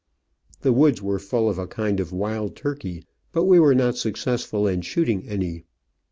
The woods were full of a kind of wild turkey, but we were not successful in shooting any.